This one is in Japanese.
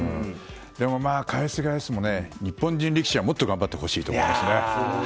返す返すも日本人力士はもっと頑張ってほしいですね。